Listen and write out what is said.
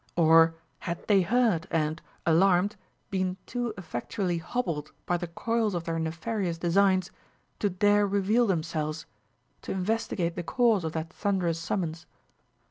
Or had they heard and, alarmed, been too effectually hobbled by the coils of their nefarious designs to dare reveal themselves, to investigate the cause of that thunderous summons?